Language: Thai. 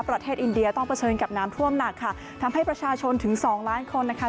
ประเทศอินเดียต้องเผชิญกับน้ำท่วมหนักค่ะทำให้ประชาชนถึงสองล้านคนนะคะ